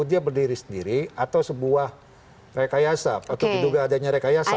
dia berdiri sendiri atau sebuah rekayasa patut diduga adanya rekayasa